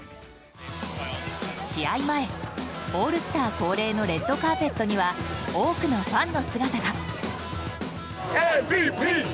試合前、オールスター恒例のレッドカーペットには多くのファンの姿が。